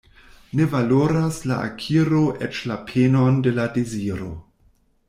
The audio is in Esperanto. Ne valoras la akiro eĉ la penon de la deziro.